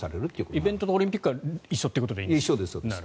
イベントとオリンピックは一緒ということですね？